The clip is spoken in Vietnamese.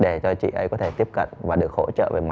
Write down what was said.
để cho chị ấy có thể tiếp cận và được hỗ trợ về mặt trời